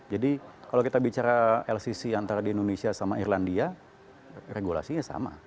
jadi kalau kita bicara lcc antara di indonesia sama irlandia regulasinya sama